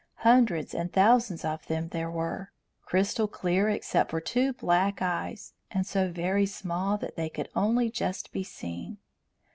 Hundreds and thousands of them there were, crystal clear except for two black eyes, and so very small that they could only just be seen.